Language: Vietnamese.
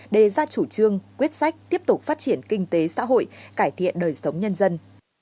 đề ra chủ trương quyết sách tiếp tục phát triển kinh tế xã hội cải thiện đời sống nhân dân